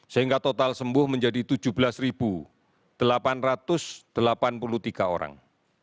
sehingga total sembuh menjadi tujuh belas delapan ratus delapan puluh tiga orang